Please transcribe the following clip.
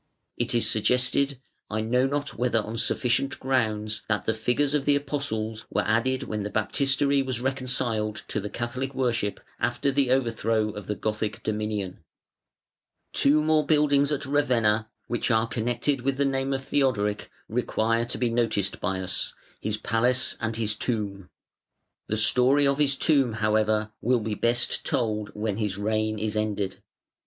It is suggested, I know not whether on sufficient grounds, that the figures of the Apostles were added when the Baptistery was "reconciled" to the Catholic worship after the overthrow of the Gothic dominion. Two more buildings at Ravenna which are connected with the name of Theodoric require to be noticed by us, his Palace and his Tomb. The story of his Tomb, however, will be best told when his reign is ended.